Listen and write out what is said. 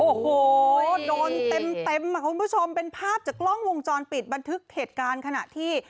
โอ้โหโดนเต็มอ่ะคุณผู้ชมเป็นภาพจากกล้องวงจรปิดบันทึกเหตุการณ์ขณะที่